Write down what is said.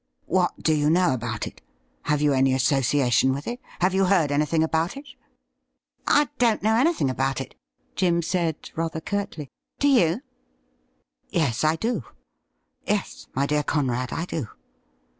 ' What do you know about it — ^have you any association with it — have you heard anything about it .''' 'I don't know anything about it,' Jim said, rather ciu^ly. ' Do you .?'' Yes, I do ! Yes, my dear Conrad, I do.